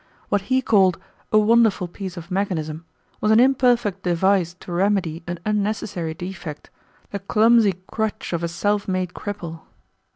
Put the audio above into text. What he called "a wonderful piece of mechanism" was an imperfect device to remedy an unnecessary defect, the clumsy crutch of a self made cripple.